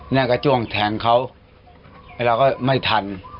นั่นก็จ้วงแทงเขาเราก็ไม่ทัน